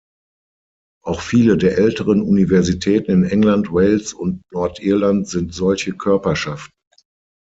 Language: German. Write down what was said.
Auch viele der älteren Universitäten in England, Wales und Nordirland sind solche Körperschaften.